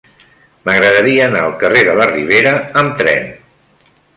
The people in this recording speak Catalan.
M'agradaria anar al carrer de la Ribera amb tren.